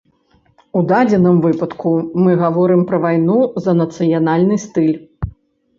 У дадзеным выпадку мы гаворым пра вайну за нацыянальны стыль.